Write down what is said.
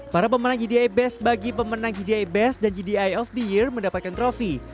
para pemenang gdi best bagi pemenang gdi best dan gdi of the year mendapatkan trofi